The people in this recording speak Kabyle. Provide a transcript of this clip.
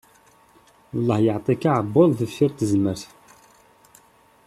Lleh yeɛṭi-k aɛebbuḍ deffir tezmert!